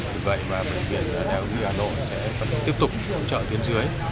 vì vậy mà bệnh viện đại học y hà nội sẽ vẫn tiếp tục hỗ trợ tuyến dưới